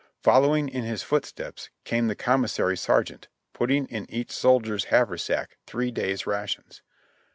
Following in his footsteps came the commissary sergeant, putting in each soldier's haversack three days' rations.